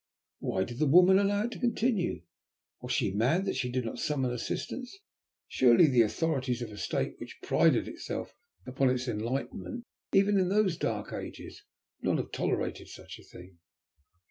"Why did the woman allow it to continue? Was she mad that she did not summon assistance? Surely the Authorities of a State which prided itself upon its enlightenment, even in those dark ages, would not have tolerated such a thing?"